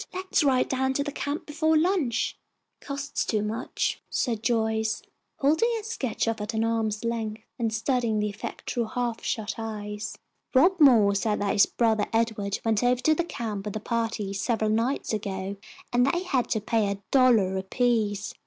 Let's ride down to the camp before lunch." "Costs too much," said Joyce, holding her sketch off at arm's length and studying the effect through half shut eyes. "Rob Moore said that his brother Edward went over to the camp with a party, several nights ago, and they had to pay a dollar apiece.